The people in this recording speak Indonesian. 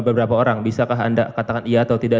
beberapa orang bisakah anda katakan iya atau tidak